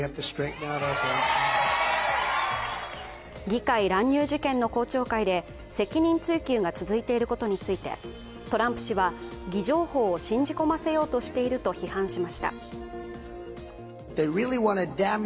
議会乱入事件の公聴会で責任追及が続いていることについてトランプ氏は偽情報を信じ込ませようとしていると批判しました。